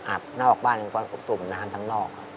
อาบนอกบ้านก็สูบน้ำทั้งนอก